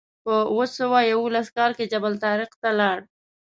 په اوه سوه یوولس کال کې جبل الطارق ته لاړ.